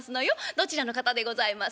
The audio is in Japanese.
どちらの方でございますの？